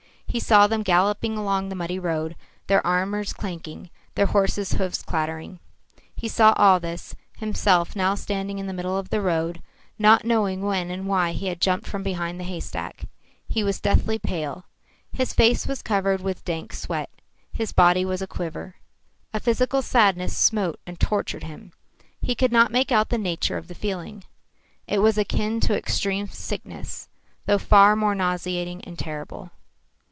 He saw them galloping along the muddy road, their arms clanking, their horses' hoofs clattering. He saw all this, himself now standing in the middle of the road, not knowing when and why he had jumped from behind the haystack. He was deathly pale. His face was covered with dank sweat, his body was aquiver. A physical sadness smote and tortured him. He could not make out the nature of the feeling. It was akin to extreme sickness, though far more nauseating and terrible.